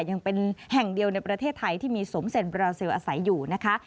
ยังเป็นแห่งเดียวในประเทศไทยที่มีสมเซ็นบราซิลอาศัยอยู่นะคะ